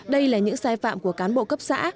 đây là những sai phạm của cán bộ cấp xã